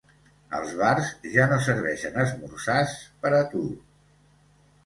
Als bars ja no serveixen esmorzars per a tu.